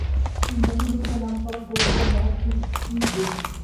তিনি নতুন দুর্গের নামকরণ করেছিলেন মহান সিং কি গঢ়ি।